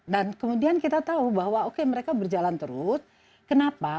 dan kemudian kita tahu bahwa oke mereka berjalan terus kenapa